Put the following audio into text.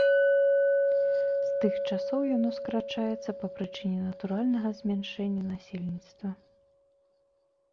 З тых часоў яно скарачаецца па прычыне натуральнага змяншэння насельніцтва.